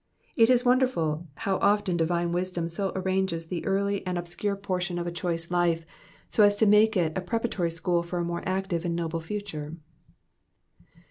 It is wonderful how often divine wisdom so arranges the early and obscure portion of a choice life, so as to make it a preparatory school for a more active and noble future.